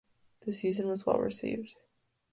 The season was well received.